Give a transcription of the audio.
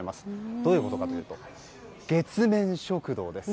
どういうことかというと月面食堂です。